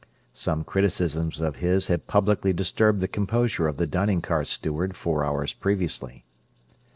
(Some criticisms of his had publicly disturbed the composure of the dining car steward four hours previously.)